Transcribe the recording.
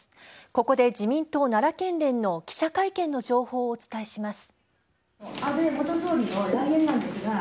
ここで自民党奈良県連の記者会見の情報をお伝えします。